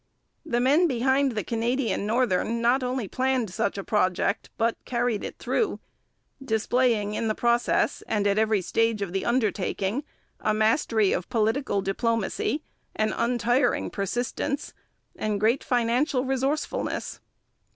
The men behind the Canadian Northern not only planned such a project, but carried it through, displaying in the process, and at every stage of the undertaking, a mastery of political diplomacy, an untiring persistence, and great financial resourcefulness.